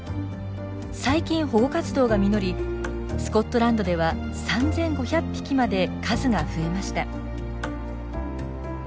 最近保護活動が実りスコットランドでは３，５００匹まで数が増えました。